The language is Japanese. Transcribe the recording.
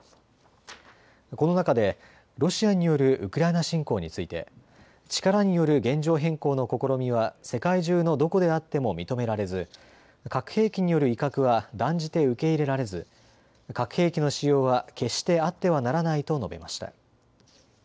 この中でロシアによるウクライナ侵攻について力による現状変更の試みは世界中のどこであっても認められず核兵器による威嚇は断じて受け入れられず、核兵器の使用は決してあってはならないと述べました。